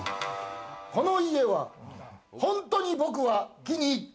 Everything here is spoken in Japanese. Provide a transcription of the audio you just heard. この家は本当に僕は気に入った。